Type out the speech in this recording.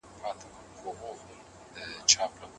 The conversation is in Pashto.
افغانستان ته سیلانیان راځي.